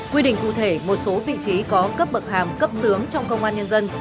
quy định cụ thể một số vị trí có cấp bậc hàm cấp tướng trong công an nhân dân